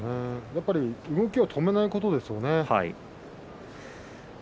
やっぱり動きを止めないことですよね。